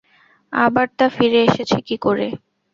আবার তা ফিরে এসেছে কী করে?